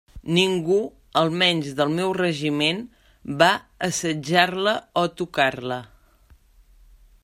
Ningú, almenys del meu regiment, va assetjar-la o tocar-la.